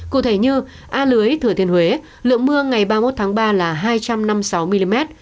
cụ thể như a lưới thừa thiên huế lượng mưa ngày ba mươi một tháng ba là hai trăm năm mươi sáu mm